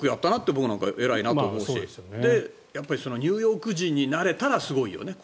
僕なんかは偉いなと思うしやっぱりニューヨーク人になれたらすごいよね。